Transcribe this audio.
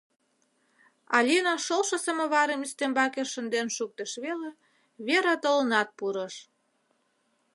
Алина шолшо самоварым ӱстембаке шынден шуктыш веле, Вера толынат пурыш.